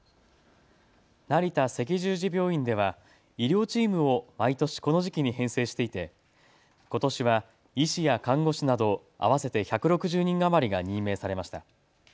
成田赤十字病院では医療チームを毎年この時期に編成していてことしは医師や看護師など合わせて１６０人余りが任命されました。